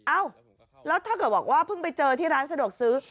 เอ้าแล้วถ้าเกิดบอกว่าเพิ่งไปเจอที่ร้านสะดวกซื้อ